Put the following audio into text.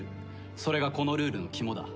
それがこのルールの肝だ。